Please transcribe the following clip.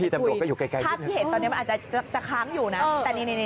ตำรวจก็อยู่ใกล้ภาพที่เห็นตอนนี้มันอาจจะค้างอยู่นะ